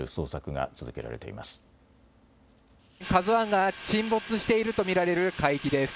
ＫＡＺＵＩが沈没していると見られる海域です。